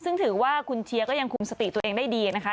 ซึ่งถือว่าคุณเชียร์ก็ยังคุมสติตัวเองได้ดีนะคะ